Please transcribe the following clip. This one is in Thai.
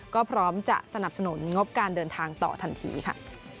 ก็พร้อมจะสนับสนุนงบการเดินทางต่อทันทีค่ะ